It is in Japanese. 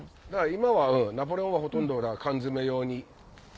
今はナポレオンはほとんど缶詰用に。